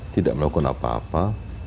tidak melakukan apa apa